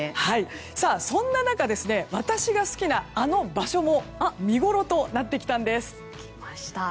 そんな中、私が好きなあの場所も見ごろとなってきたんです。